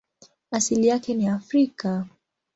Asili yake ni Afrika.